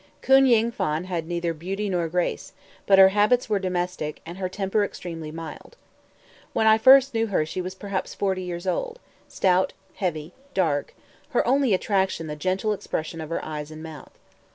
Koon Ying Phan had neither beauty nor grace; but her habits were domestic, and her temper extremely mild. When I first knew her she was perhaps forty years old, stout, heavy, dark, her only attraction the gentle expression of her eyes and mouth.